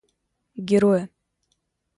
героя